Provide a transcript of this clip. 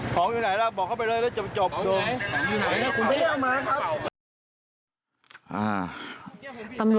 ของอยู่ไหนล่ะบอกเข้าไปเลยแล้วจบจบของอยู่ไหนของอยู่ไหนผมได้เลี่ยวมาครับ